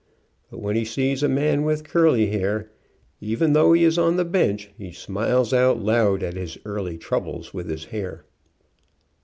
But when he sees a man with" curly hair, even though he is on the bench, he smiles out loud at his early troubles with his hair.